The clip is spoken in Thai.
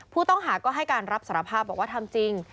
ผู้ต้องหาก็ให้การรับสารภาพบอกว่าทำจริง